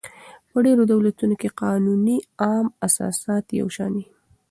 په ډېرو دولتو کښي قانوني عام اساسات یو شان يي.